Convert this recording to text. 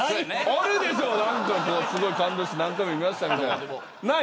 あるでしょ、なんか感動して何回も見ましたみたいな。